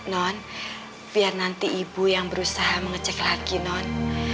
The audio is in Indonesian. non biar nanti ibu yang berusaha mengecek lagi non